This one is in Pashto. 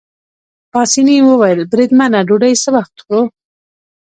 پاسیني وویل: بریدمنه ډوډۍ څه وخت خورو؟